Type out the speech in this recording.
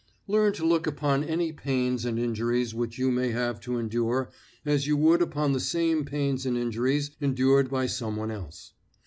Learn to look upon any pains and injuries which you may have to endure as you would upon the same pains and injuries endured by someone else.